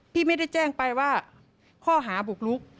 พี่ไม่ได้แจ้งไปว่าข้อหาบุกลุก